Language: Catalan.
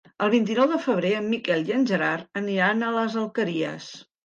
El vint-i-nou de febrer en Miquel i en Gerard aniran a les Alqueries.